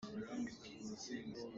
A mit a kei.